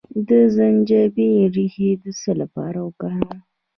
د زنجبیل ریښه د څه لپاره وکاروم؟